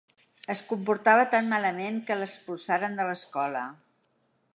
Es comportava tan malament, que l'expulsaren de l'escola.